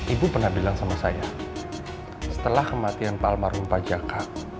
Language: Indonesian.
ibu pernah bilang sama saya setelah kematian pak almarhum pajak